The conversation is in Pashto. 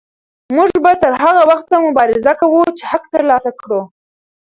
موږ به تر هغه وخته مبارزه کوو چې حق ترلاسه کړو.